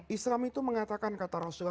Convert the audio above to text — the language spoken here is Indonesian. islam itu mengatakan kata rasulullah